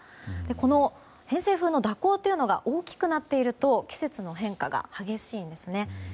この偏西風の蛇行が大きくなっていると季節の変化が激しいんですね。